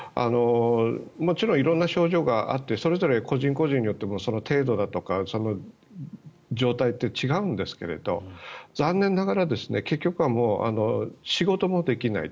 もちろん色んな症状があって個人個人でもその程度だとか状態って違うんですけれど残念ながら結局は仕事もできない。